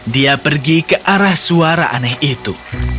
dia pergi ke arah suara aneh itu